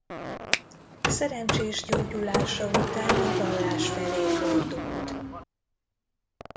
Szerencsés gyógyulása után a vallás felé fordult.